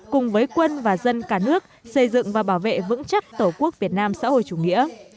cùng với quân và dân cả nước xây dựng và bảo vệ vững chắc tổ quốc việt nam xã hội chủ nghĩa